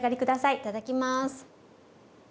はいいただきます。